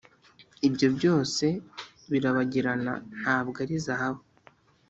ibyo byose birabagirana ntabwo ari zahabu